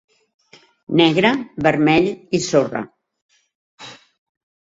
Negre, vermell i sorra.